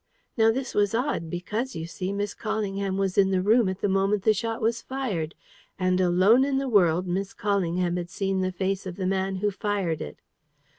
Now, this was odd, because, you see, Miss Callingham was in the room at the moment the shot was fired; and, alone in the world, Miss Callingham had seen the face of the man who fired it.